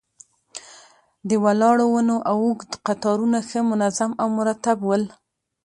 د ولاړو ونو اوږد قطارونه ښه منظم او مرتب ول.